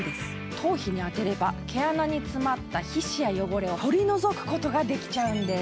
頭皮に当てれば毛穴に詰まった皮脂や汚れを取り除くことができちゃうんです。